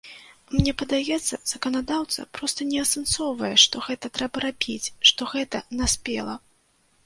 Мне падаецца, заканадаўца проста не асэнсоўвае, што гэта трэба рабіць, што гэта наспела.